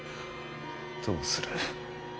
どうする。